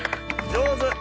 上手！